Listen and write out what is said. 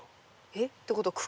えっ？ってことは茎？